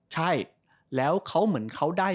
ใช่แล้วเขาเหมือนเขาได้